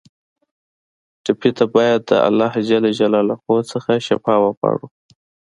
ټپي ته باید د الله نه شفا وغواړو.